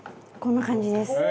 こんな感じです。